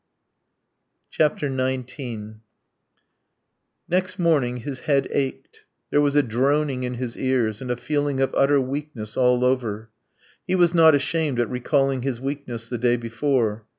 XIX Next morning his head ached, there was a droning in his ears and a feeling of utter weakness all over. He was not ashamed at recalling his weakness the day before.